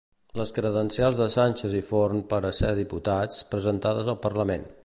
Les credencials de Sànchez i Forn per a ser diputats, presentades al Parlament.